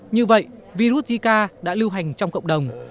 như vậy virus zika đã lưu hành trong cộng đồng